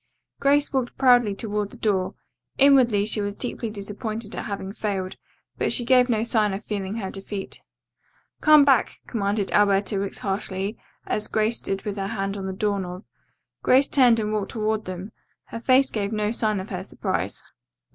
Grace walked proudly toward the door. Inwardly she was deeply disappointed at having failed, but she gave no sign of feeling her defeat. "Come back!" commanded Alberta Wicks harshly, as Grace stood with her hand on the door knob. Grace turned and walked toward them. Her face gave no sign of her surprise.